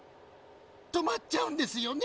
止まっちゃうんですよね？